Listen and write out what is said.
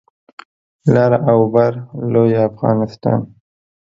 لر او بر لوی افغانستان